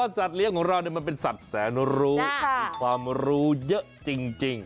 สัตว์เลี้ยงของเรามันเป็นสัตว์แสนรู้มีความรู้เยอะจริง